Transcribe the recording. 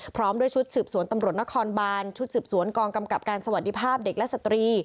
พร้อมด้วยชุดสืบสวนตำรวจนครบานชุดสืบสวนกองกำกับการสวัสดีภาพเด็กและสตรี